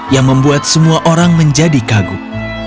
yang membuat semua orang menjadi kagum